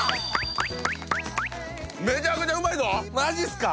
めちゃくちゃうまいぞマジっすか？